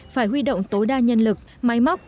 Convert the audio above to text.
phải huy động tối đa nhân lực máy móc